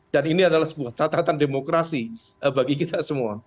dan ini adalah sebuah catatan demokrasi bagi kita semua